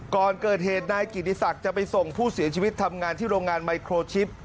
ก่อนเกิดเหตุนายกิติศักดิ์จะไปส่งผู้เสียชีวิตทำงานที่โรงงานไมโครชิป